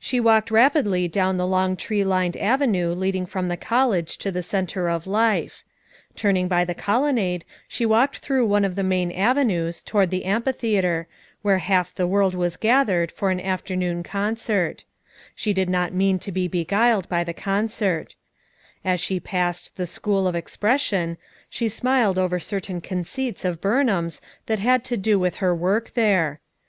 She walked rapidly down the long tree lined avenue leading from the college to the center of life. Turning by the colonnade she walked through one of the main avenues toward the 124 FOUR MOTHERS AT CHAUTAUQUA 125 amphitheater, where half the world was gath ered for an afternoon concert; she did not mean to be beguiled by the concert As she passed the " School of Expression," she smiled over certain conceits of Burnham's that had to do with her work there.